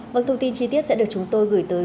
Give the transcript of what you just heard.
mọi thông tin chi tiết sẽ được chúng tôi gửi tới